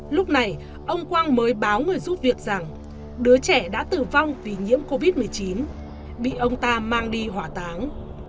lúc này ông quang mới báo người giúp việc rằng đứa trẻ đã tử vong vì nhiễm covid một mươi chín bị ông ta mang đi hỏa táng